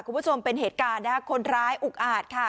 คุณผู้ชมเป็นเหตุการณ์นะคะคนร้ายอุกอาจค่ะ